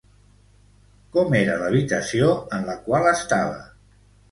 Com era l'habitació en la qual estava?